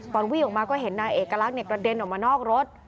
วิ่งออกมาก็เห็นนายเอกลักษณ์กระเด็นออกมานอกรถ